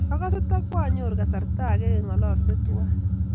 Agase ta kwanyoruu kasarta ake keng'ololse twai.